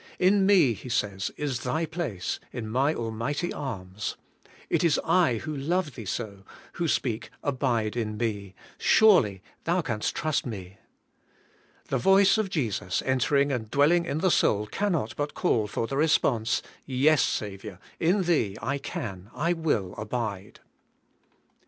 'In me^^ He says, 'is thy place, — in my almighty arms. It is I who love thee so, who speak Abide in me; surely thou canst trust me.' The voice of Jesus entering and dwelling in the soul cannot but call for the response: *Yes, Saviour, m Thee I can, I will abide.'